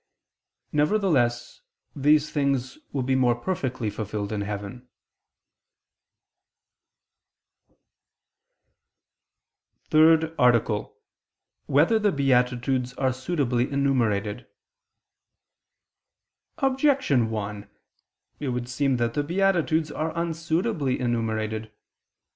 Nevertheless these things will be more perfectly fulfilled in heaven. ________________________ THIRD ARTICLE [I II, Q. 69, Art. 3] Whether the Beatitudes Are Suitably Enumerated? Objection 1: It would seem that the beatitudes are unsuitably enumerated.